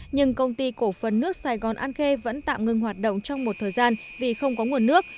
nhưng công ty cổ phần nước sài gòn an khê vẫn tạm ngưng hoạt động trong một thời gian vì không có nguồn nước